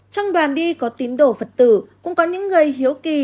trong đoàn đi có tín đồ phật tử cũng có những người hiếu kỳ